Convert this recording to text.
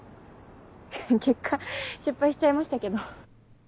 結果失敗しちゃいましたけど。